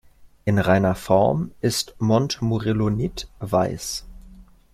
In reiner Form ist Montmorillonit weiß.